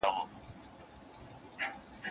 نیم پر تخت د شاه جهان نیم قلندر دی